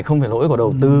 không phải lỗi của đầu tư